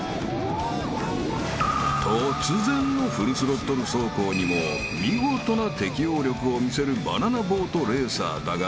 ［突然のフルスロットル走行にも見事な適応力を見せるバナナボートレーサーだが］